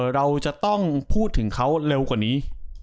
เราจะต้องพูดถึงเขาเร็วกว่านี้